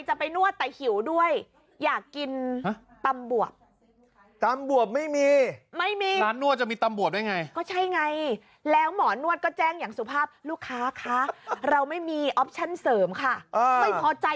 จากโฆษณาจากคำข้อความบางคำ